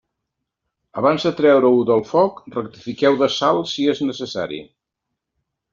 Abans de treure-ho del foc, rectifiqueu de sal si és necessari.